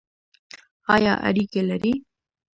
ایا اریګی لرئ؟